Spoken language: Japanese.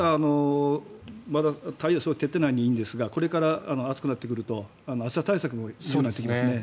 まだ太陽が照っていないんですがこれから暑くなってくると暑さ対策も必要になってきますね。